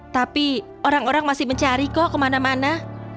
tapi orang orang masih mencari kok kemana mana